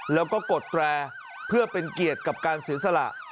แล้วก็กดแตรเพื่อเป็นเกียรติกับการเสียสละ